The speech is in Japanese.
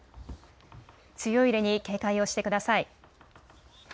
強い揺れに警戒をしてください。